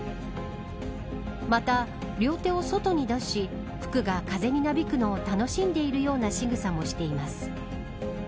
また両手を外に出し服が風になびくのを楽しんでいるようなしぐさもしています。